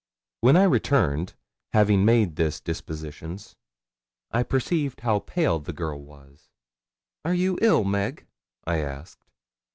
When I returned, having made this dispositions, I perceived how pale the girl was. 'Are you ill, Meg?' I asked.